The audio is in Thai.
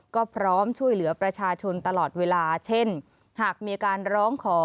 ก็พร้อมช่วยเหลือประชาชนตลอดเวลาเช่นหากมีการร้องขอ